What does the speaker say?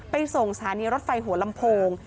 ส่งสถานีรถไฟหัวลำโพง